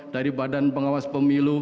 dari badan pengawas pemilu